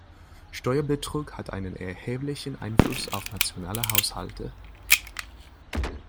Steuerbetrug hat einen erheblichen Einfluss auf nationale Haushalte.